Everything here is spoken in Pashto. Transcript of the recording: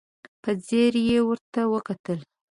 په ځير يې ورته وکتل.